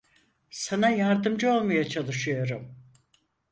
Sana yardımcı olmaya çalışıyorum.